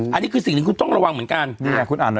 อันนี้คือสิ่งที่คุณต้องระวังเหมือนกัน